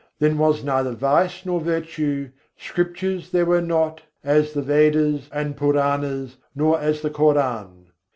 Then was neither vice nor virtue; scriptures there were not, as the Vedas and Puranas, nor as the Koran.